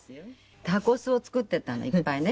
タコ酢を作っていったのいっぱいね。